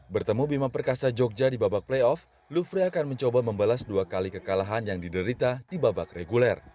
bertemu bima perkasa jogja di babak playoff lufrey akan mencoba membalas dua kali kekalahan yang diderita di babak reguler